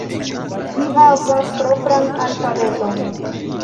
Ĝi havas propran alfabeton.